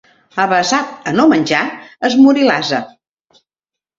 Avesat a no menjar, es morí l'ase.